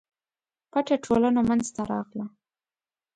پټه ټولنه منځته راغله.